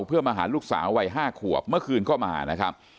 เพื่อมาหาลูกสาววัย๕ขวบเมื่อคืนก็มานะครับ